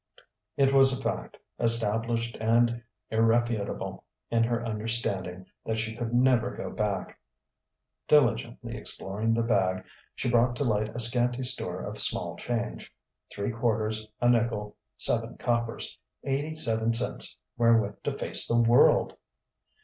It was a fact, established and irrefutable in her understanding, that she could never go back.... Diligently exploring the bag, she brought to light a scanty store of small change: three quarters, a nickel, seven coppers eighty seven cents wherewith to face the world!